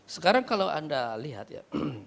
sekarang kalau anda lihat ya